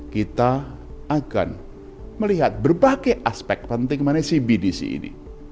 kita akan melihat berbagai aspek penting mengenai cbdc ini